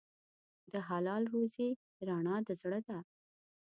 د حلال روزي رڼا د زړه ده.